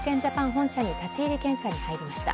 本社に立ち入り検査に入りました。